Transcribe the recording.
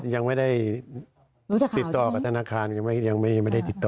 ยังไม่ได้ติดต่อกับธนาคารยังไม่ได้ติดต่อ